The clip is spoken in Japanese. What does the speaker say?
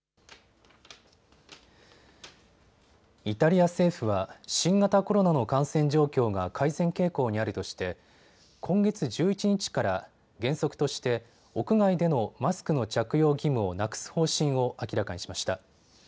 イタリア政府は新型コロナの感染状況が改善傾向にあるとして今月１１日から原則として屋外でのマスクの着用義務をなくす方針を明らかにしました。